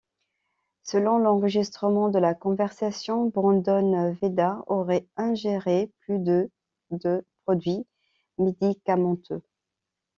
Selon l'enregistrement de la conversation, Brandon Vedas aurait ingéré plus de de produits médicamenteux.